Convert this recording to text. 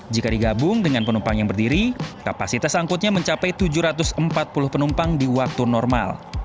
jika digabung dengan penumpang yang berdiri kapasitas angkutnya mencapai tujuh ratus empat puluh penumpang di waktu normal